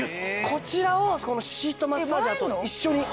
こちらをこのシートマッサージャーと一緒に。